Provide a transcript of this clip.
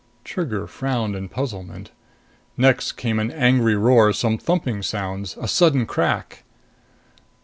Trigger frowned in puzzlement. Next came an angry roar, some thumping sounds, a sudden crack.